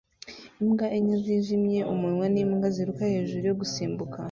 Imbwa enye zijimye umunwa n'imbwa ziruka hejuru yo gusimbuka